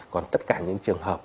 còn tất cả những trường hợp